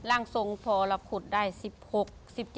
รางทรงพลรคุศได้๑๖๑๗ปี